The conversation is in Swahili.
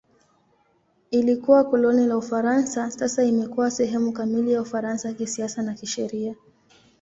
Ilikuwa koloni la Ufaransa; sasa imekuwa sehemu kamili ya Ufaransa kisiasa na kisheria.